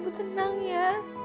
ibu tenang ya